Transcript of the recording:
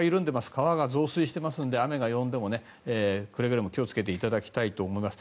川が増水していますので雨がやんでもくれぐれも気をつけていただきたいと思います。